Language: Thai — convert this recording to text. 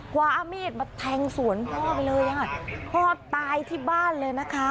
ความมีดมาแทงสวนพ่อไปเลยอ่ะพ่อตายที่บ้านเลยนะคะ